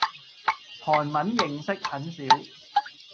韓文認識很少